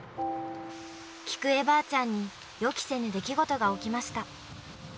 菊恵ばあちゃんに予期せぬ出来事が起きました。